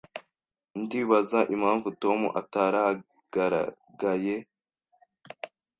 Ndibaza impamvu Tom ataragaragaye.